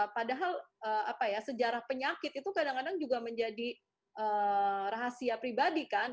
padahal apa ya sejarah penyakit itu kadang kadang juga menjadi rahasia pribadi kan